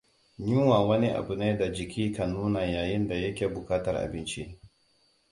Yunwa wani abu ne da jiki kan nuna yayin da yake buƙatar abinci.